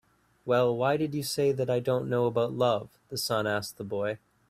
"Well, why did you say that I don't know about love?" the sun asked the boy.